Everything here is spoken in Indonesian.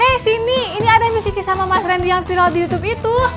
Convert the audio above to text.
hei sini ini ada miss kiki sama mas randy yang viral di youtube itu